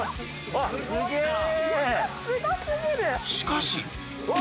しかし